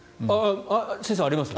先生、ありますか？